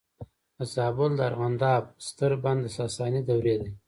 د زابل د ارغنداب ستر بند د ساساني دورې دی